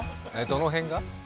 どの辺が？